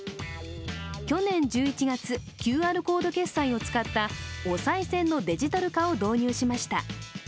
去年１１月、ＱＲコード決済を使ったおさい銭のデジタル化を導入しました。